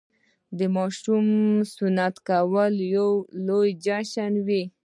د ماشوم سنتي کول لوی جشن وي.